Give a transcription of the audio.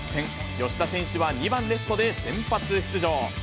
吉田選手は２番レフトで先発出場。